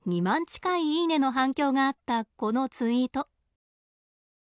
２万近い「いいね」の反響があったこのツイート。